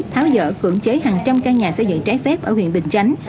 tháo dỡ cưỡng chế hàng trăm căn nhà xây dựng trái phép ở huyện bình chánh